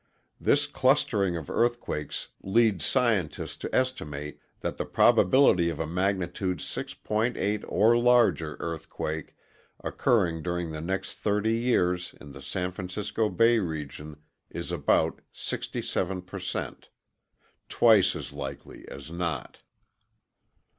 This clustering of earthquakes leads scientists to estimate that the probability of a magnitude 6.8 or larger earthquake occurring during the next 30 years in the San Francisco Bay region is about 67 percent (twice as likely as not).